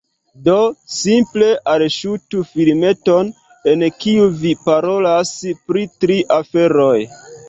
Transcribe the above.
Do, simple alŝutu filmeton en kiu vi parolas pri tri aferoj